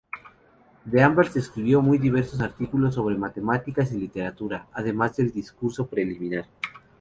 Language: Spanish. D'Alembert escribió muy diversos artículos sobre matemáticas y literatura, además del "Discurso preliminar".